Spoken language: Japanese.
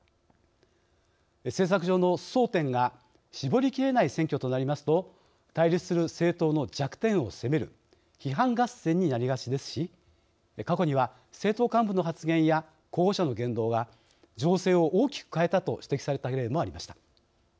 政策上の争点が絞りきれない選挙となりますと対立する政党の弱点を攻める批判合戦になりがちですし過去には、政党幹部の発言や候補者の言動が情勢を大きく変えたと指摘された例もありました。